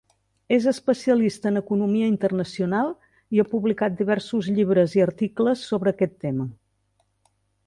És especialista en Economia Internacional i ha publicat diversos llibres i articles sobre aquest tema.